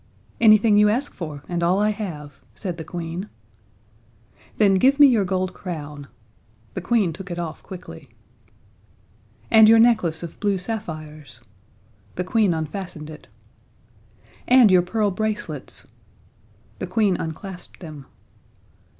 "Anything you ask for, and all I have," said the Queen. "Then give me your gold crown." The Queen took it off quickly. "And your necklace of blue sapphires." The Queen unfastened it. "And your pearl bracelets." The Queen unclasped them.